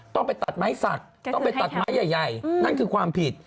ต้องไปตัดไม้สักต้องไปตัดไม้ใหญ่นั่นคือความผิด